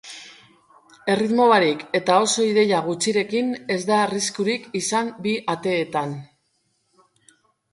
Erritmo barik eta oso ideia gutxirekin, ez da arriskurik izan bi ateetan.